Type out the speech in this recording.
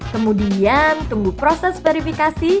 kemudian tunggu proses verifikasi